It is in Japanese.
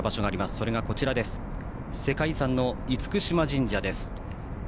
それが、こちら世界遺産の嚴島神社です。